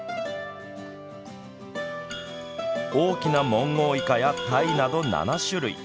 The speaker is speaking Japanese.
大きなモンゴウイカやたいなど７種類。